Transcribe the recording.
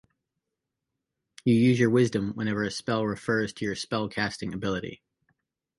You use your Wisdom whenever a spell refers to your spellcasting ability.